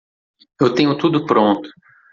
Eu tenho tudo pronto.